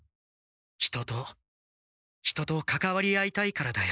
人と人とかかわり合いたいからだよ。